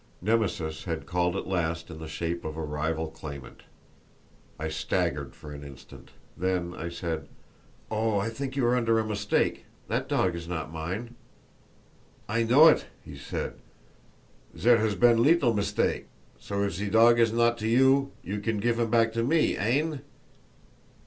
Nemesis had called at last in the shape of a rival claimant. I staggered for an instant; then I said, "Oh, I think you are under a mistake; that dog is not mine." "I know it," he said; "zere 'as been leetle mistake, so if ze dog is not to you, you give him back to me, hein?"